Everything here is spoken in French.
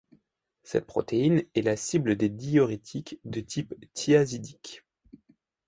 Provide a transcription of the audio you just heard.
Cette protéine est la cible des diurétiques de type thiazidique.